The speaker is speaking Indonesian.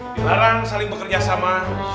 dilarang saling bekerja sama